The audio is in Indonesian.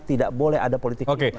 tidak boleh ada politik